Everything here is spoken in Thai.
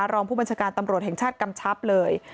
รองผู้บัญชาการตำรวจแห่งชาติกำชับเลย